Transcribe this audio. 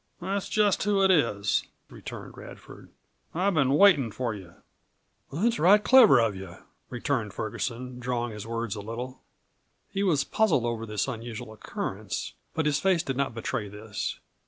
"That's just who it is," returned Radford. "I've been waitin' for you." "That's right clever of you," returned Ferguson, drawling his words a little. He was puzzled over this unusual occurrence, but his face did not betray this.